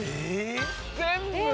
全部。